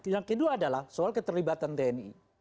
yang kedua adalah soal keterlibatan tni